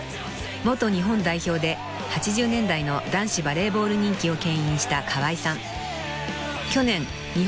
［元日本代表で８０年代の男子バレーボール人気をけん引した川合さん］